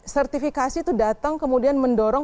sertifikasi itu datang kemudian mendorong